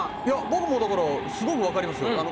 いや僕もだからすごくわかりますよ。